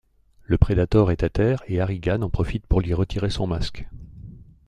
Le Predator est à terre et Harrigan en profite pour lui retirer son masque.